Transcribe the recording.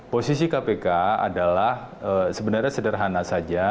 posisi kpk adalah sebenarnya sederhana saja